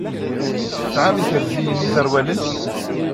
Tesɛam ikerziyen iẓerwalen?